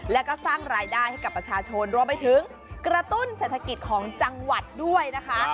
แล้วก็สร้างรายได้ให้กับประชาชนรวมไปถึงกระตุ้นเศรษฐกิจของจังหวัดด้วยนะคะ